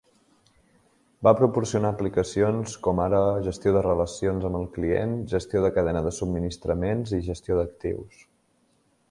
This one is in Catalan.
Va proporcionar aplicacions com ara gestió de relacions amb el client, gestió de cadena de subministraments i gestió d'actius.